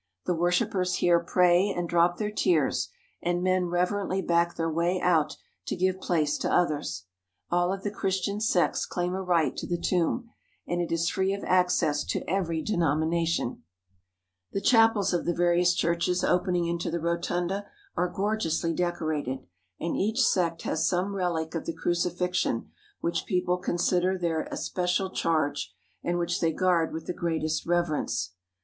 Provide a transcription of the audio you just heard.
The worshippers here pray and drop their tears, and men reverently back their way out to give place to others. All of the Christian sects claim a right to the tomb, and it is free of access to every denomination. 91 THE HOLY LAND AND SYRIA The chapels of the various churches opening into the rotunda are gorgeously decorated, and each sect has some relic of the Crucifixion which people consider their es pecial charge and which they guard with the greatest reverence.